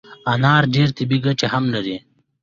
انار ډیري طبي ګټي هم لري